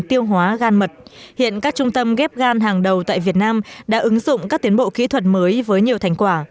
tuy nhiên các trung tâm ghép gan hàng đầu tại việt nam đã ứng dụng các tiến bộ kỹ thuật mới với nhiều thành quả